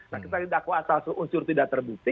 nah kita didakwa asal unsur tidak terbukti